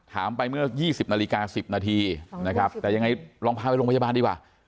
ไปเมื่อ๒๐นาฬิกา๑๐นาทีนะครับแต่ยังไงลองพาไปโรงพยาบาลดีกว่า